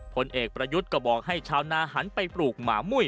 ผลเอกประยุทธ์ก็บอกให้ชาวนาหันไปปลูกหมามุ้ย